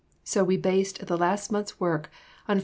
So we based the last month's work on Phil.